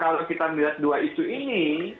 kalau kita melihat dua isu ini